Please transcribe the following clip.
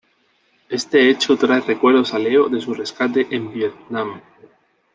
Este hecho trae recuerdos a Leo de su rescate en Vietnam.